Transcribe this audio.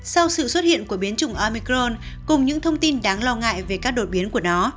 sau sự xuất hiện của biến chủng omicron cùng những thông tin đáng lo ngại về các đột biến của nó